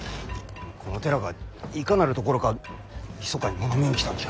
この寺がいかなるところかひそかに物見に来たんじゃ。